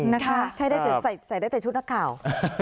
นะคะใช้ได้แต่ชุดนักข่าว